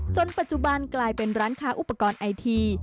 ปัจจุบันกลายเป็นร้านค้าอุปกรณ์ไอที